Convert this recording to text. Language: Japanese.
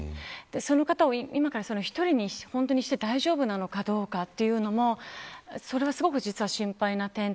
その方を今から１人にして大丈夫なのかどうかというのもそれはすごく実は心配な点で。